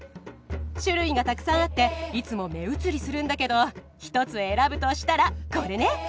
種類がたくさんあっていつも目移りするんだけど１つ選ぶとしたらこれね！